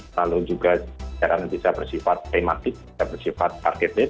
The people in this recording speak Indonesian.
lalu juga siaran bisa bersifat klimatik bisa bersifat arketis